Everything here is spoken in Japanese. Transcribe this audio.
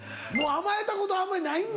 甘えたことあんまりないんだ。